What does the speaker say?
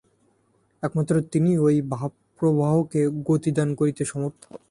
একমাত্র তিনিই ঐ ভাব-প্রবাহকে গতিদান করিতে সমর্থ।